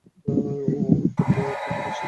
উত্থানটা পিছিয়ে দেয়।